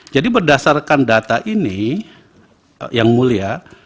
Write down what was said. jadi berdasarkan data ini yang mulia